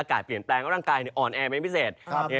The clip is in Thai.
อ่อนแอร์เป็นพิเศษ